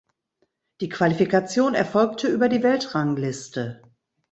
Die Qualifikation erfolgte über die Weltrangliste.